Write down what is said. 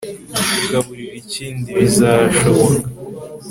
kugaburira ikindi, bizashoboka